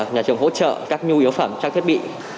nhà trường hỗ trợ các nhu yếu phẩm trang thiết bị